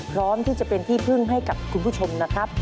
พร้อมที่จะเป็นพื้นที่ให้คุณผู้ชมนะครับ